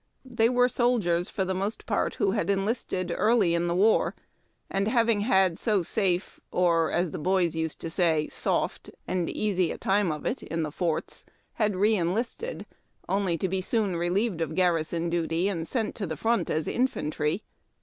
They were soldiers, for the most part, who had enlisted early in the war, and, having had so safe — or, as the boys used to say, "soft "— and easy a time of it in the forts, had re enlisted, only to be soon relieved of garrison duty and sent to the front as infantry.